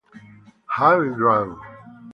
How it rang!